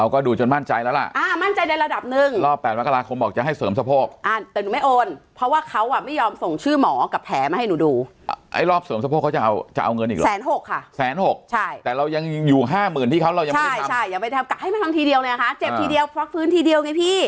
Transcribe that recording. คนเพราะว่าเขาอ่ะไม่ยอมส่งชื่อหมอกับแผลมาให้หนูดูไอ้รอบสวมสะโพกเขาจะเอาเดี่ยวเนี่ย